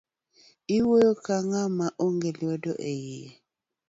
Iwuoyo ka ngama ogo lwedo eiye